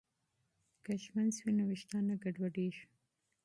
که ږمنځ وي نو ویښتان نه ګډوډیږي.